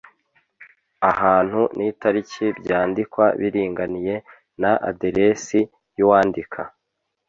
Ahantu n’itariki byandikwa biringaniye na aderesi y’uwandika.